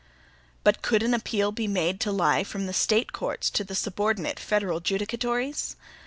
But could an appeal be made to lie from the State courts to the subordinate federal judicatories?